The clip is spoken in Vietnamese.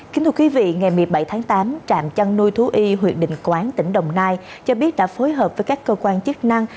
kính thưa quý vị ngày một mươi bảy tháng tám trạm chăn nuôi thú y huyện đình quán tỉnh đồng nai cho biết đã phối hợp với các cơ quan chức năng